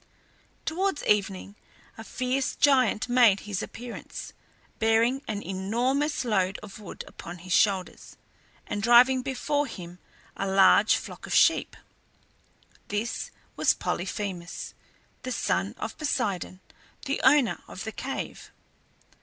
Towards evening a fierce giant made his appearance, bearing an enormous load of wood upon his shoulders, and driving before him a large flock of sheep. This was Polyphemus, the son of Poseidon, the owner of the cave.